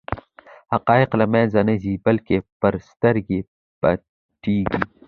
حقایق له منځه نه ځي بلکې پرې سترګې پټېږي.